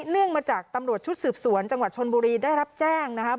เนื่องมาจากตำรวจชุดสืบสวนจังหวัดชนบุรีได้รับแจ้งนะครับ